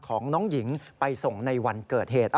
ของน้องหญิงไปส่งในวันเกิดเหตุ